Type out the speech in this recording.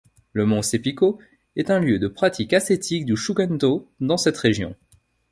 Le mont Seppiko est un lieu de pratiques ascétiques du shugendō dans cette région.